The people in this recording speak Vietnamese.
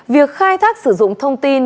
việc khai thác sử dụng thông tin